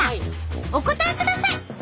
お答えください。